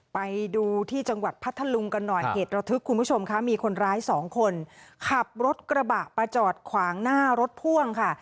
ไปดูที่จังหวัดพัทธลุงกันหน่อยเหตุระทึกคุณผู้ชมค่ะมีคนร้ายสองคนขับรถกระบะมาจอดขวางหน้ารถพ่วงค่ะ